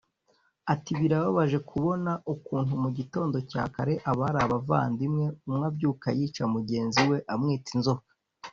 Ati “ Birababaje kubona ukuntu mu gitondo cya kare abari abavandimwe umwe abyuka yica mugenzi we amwita inzoka